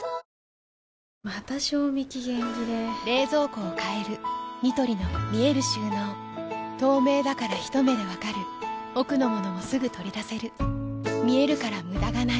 また賞味期限切れ冷蔵庫を変えるニトリの見える収納透明だからひと目で分かる奥の物もすぐ取り出せる見えるから無駄がないよし。